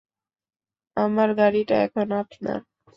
আমার গাড়িটা এখন আপনার।